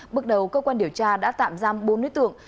bước đầu cơ quan điều tra đã tạm giam bốn đối tượng